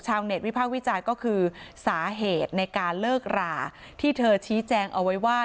ชาวเน็ตวิพากษ์วิจารณ์ก็คือสาเหตุในการเลิกราที่เธอชี้แจงเอาไว้ว่า